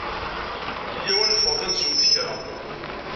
Yya-w ad neffɣet ad neswet kra.